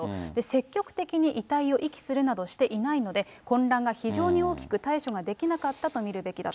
積極的に遺体を遺棄するなどしていないので、混乱が非常に大きく、対処ができなかったと見るべきだと。